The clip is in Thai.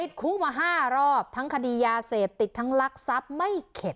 คู่มา๕รอบทั้งคดียาเสพติดทั้งลักทรัพย์ไม่เข็ด